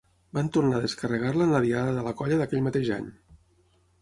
Van tornar a descarregar-la en la Diada de la Colla d'aquell mateix any.